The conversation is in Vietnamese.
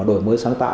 đổi mới sáng tạo